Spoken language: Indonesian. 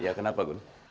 ya kenapa gun